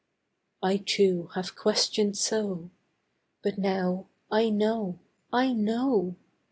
I, too, have questioned so, But now I know, I know!